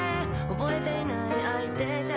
「憶えていない相手じゃ」